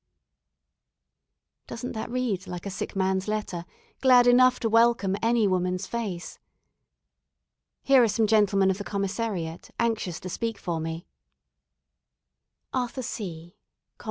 Doesn't that read like a sick man's letter, glad enough to welcome any woman's face? Here are some gentlemen of the Commissariat anxious to speak for me: "Arthur C , Comm.